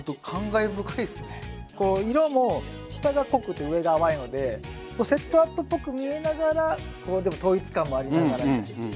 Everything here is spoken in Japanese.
こう色も下が濃くて上が淡いのでセットアップっぽく見えながらでも統一感もありながらみたいな。